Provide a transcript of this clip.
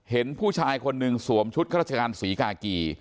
เห็นผู้ชายคนนึงสวมชุดราชการสวีกากี